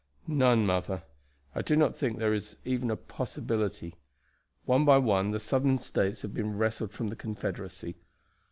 "None, mother; I do not think there is even a possibility. One by one the Southern States have been wrested from the Confederacy.